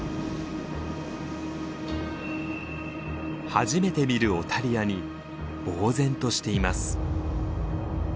初めて見るオタリアにぼう然としています。